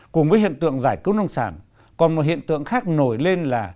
cùng với hiện tượng giải cứu nông sản còn một hiện tượng khác nổi lên là